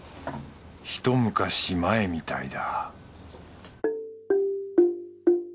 ひと昔前みたいだ